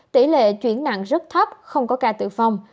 tỷ lệ chuyển nặng rất thấp không có ca tử vong